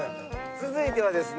続いてはですね。